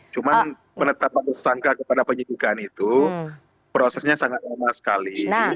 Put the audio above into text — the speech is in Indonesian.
cuma penetapan tersangka kepada penyidikan itu prosesnya sangat lama sekali